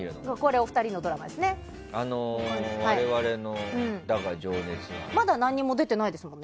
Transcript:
お二人のドラマですね。